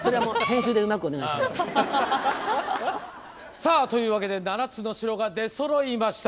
さあというわけで７つの城が出そろいました。